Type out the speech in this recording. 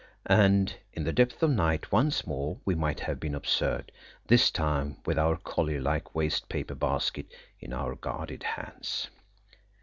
And in the depth of night once more we might have been observed, this time with our collier like waste paper basket in our guarded hands.